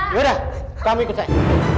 yaudah kamu ikut saya